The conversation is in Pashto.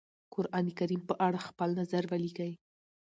قرآنکريم په اړه خپل نظر وليکی؟